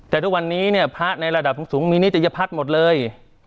แต่ทุกวันนี้เนี่ยพระในระดับสูงมีนิตยพัฒน์หมดเลย